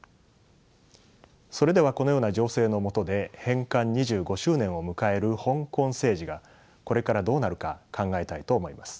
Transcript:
それではこのような情勢の下で返還２５周年を迎える香港政治がこれからどうなるか考えたいと思います。